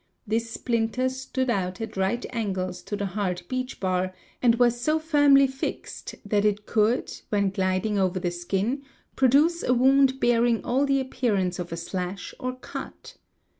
This splinter stood out at right angles to the hard beech bar, and was so firmly fixed that it could when gliding over the skin produce a wound bearing all the appearance of a slash or cut.